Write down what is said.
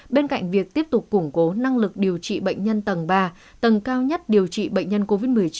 bên cạnh việc tiếp tục củng cố năng lực điều trị bệnh nhân tầng ba tầng cao nhất điều trị bệnh nhân covid một mươi chín